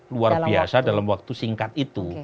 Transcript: luar biasa dalam waktu singkat itu